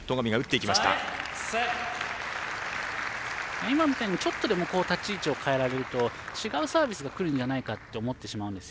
今みたいにちょっとでも立ち位置を変えられると違うサービスがくるんじゃないかと思ってしまうんですよ。